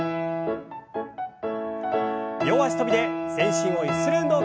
両脚跳びで全身をゆする運動から。